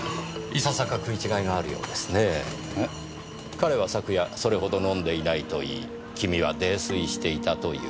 彼は昨夜それほど飲んでいないと言い君は泥酔していたと言う。